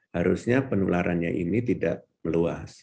harusnya penularannya ini tidak meluas